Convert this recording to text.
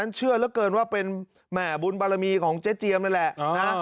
เชื่อเหลือเกินว่าเป็นแหม่บุญบารมีของเจ๊เจียมนั่นแหละนะ